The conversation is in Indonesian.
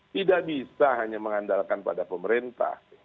tidak bisa hanya mengandalkan pada pemerintah